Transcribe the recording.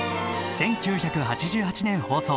１９８８年放送。